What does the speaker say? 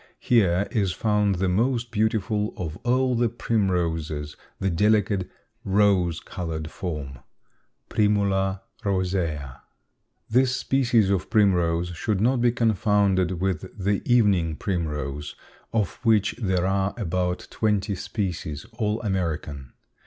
Here is found the most beautiful of all the primroses, the delicate rose colored form (Primula rosea.) This species of primrose should not be confounded with the evening primrose, of which there are about twenty species, all American.